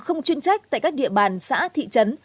không chuyên trách tại các địa bàn xã thị trấn